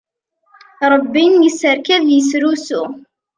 Ṛebbi isserkab isrusu.